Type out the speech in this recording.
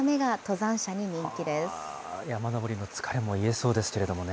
山登りの疲れも癒えそうですけどね。